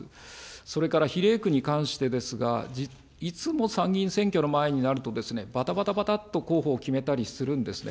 それから比例区に関してですが、いつも参議院選挙の前になると、ばたばたばたっと候補を決めたりするんですね。